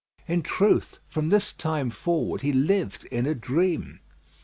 In truth, from this time forward he lived in a dream.